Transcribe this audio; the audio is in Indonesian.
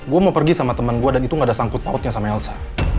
gue mau pergi sama temen gue dan itu gak ada sangkut mautnya sama elsa